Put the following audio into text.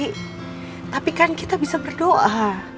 tapi kan kita bisa berdoa